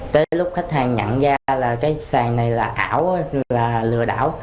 tới lúc khách hàng nhận ra là cái sàn này là ảo là lừa đảo